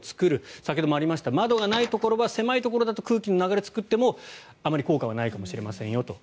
先ほどもありましたが窓がないところは狭いところだと空気の流れを作ってもあまり効果はないかもしれませんよと。